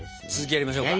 やりましょう！